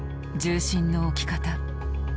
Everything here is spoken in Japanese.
重心の置き方。